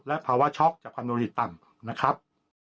และภาวะช็อกจากคอนโดริตต่ำนะครับ